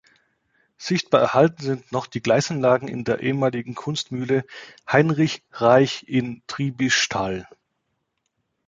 Sichtbar erhalten sind noch die Gleisanlagen in der ehemaligen Kunstmühle Heinrich Reich in Triebischtal.